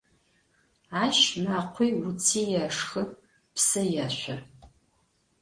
Aş mekhui vutsi yêşşxı, psı yêşso.